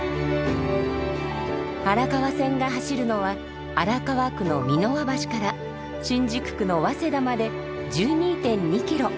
荒川線が走るのは荒川区の三ノ輪橋から新宿区の早稲田まで１２．２キロ。